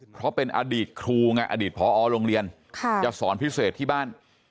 เพราะเป็นอดีตครูไงอดีตพอโรงเรียนจะสอนพิเศษที่บ้าน